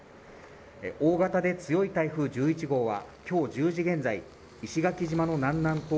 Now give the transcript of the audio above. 大型で強い台風１１号はきょう１０時現在石垣島の南南東